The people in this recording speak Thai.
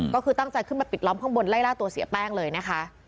ก็คือตั้งใจขึ้นมาปิดล้อมข้างบนไล่ล่าตัวเสียแป้งเลยนะคะ